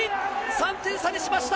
３点差にしました。